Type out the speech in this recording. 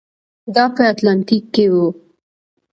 دا په اتلانتیک کې و.